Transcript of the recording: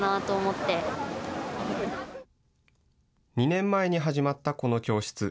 ２年前に始まったこの教室。